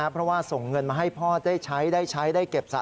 เพราะว่าส่งเงินมาให้พ่อได้ใช้ได้ใช้ได้เก็บสะ